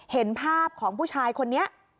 เห็นภาพของผู้ชายคนนี้